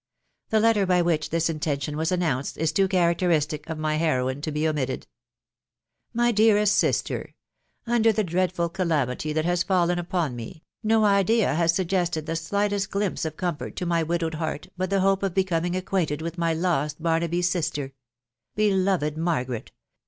The testes by? which, this intention was announced is too oharacmuti«r ef my hefriaa: to be omitted;. tc My n»AWKsr Snusity " Uttdeu the dreadful, calamity that has fallen upon me, no idea, ha* swggefteti the slightest glimpse of comfort to my widowed beast but the hope of becoming acquainted with my lbst Baraaby's sister ! Beloved Margaret